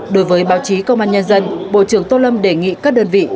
đối với báo chí công an nhân dân bộ trưởng tô lâm đề nghị các đơn vị